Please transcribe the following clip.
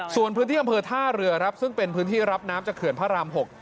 ส่วนพื้นที่อำเภอท่าเรือครับซึ่งเป็นพื้นที่รับน้ำจากเขื่อนพระราม๖